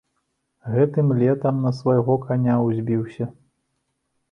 Гэтым летам на свайго каня ўзбіўся.